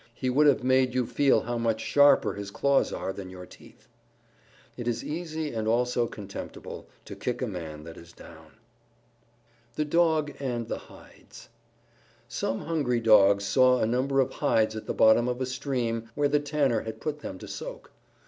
He would have made you feel how much sharper his claws are than your teeth." It is easy and also contemptible to kick a man that is down. THE DOGS AND THE HIDES Some hungry Dogs saw a number of hides at the bottom of a stream where the Tanner had put them to soak.